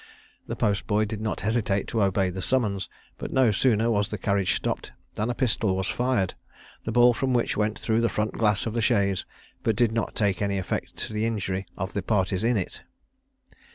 The postboy did not hesitate to obey the summons; but no sooner was the carriage stopped than a pistol was fired, the ball from which went through the front glass of the chaise, but did not take any effect to the injury of the parties in it.